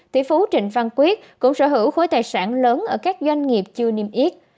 tỷ phú trịnh văn quyết cũng sở hữu khối tài sản lớn ở các doanh nghiệp chưa niêm yết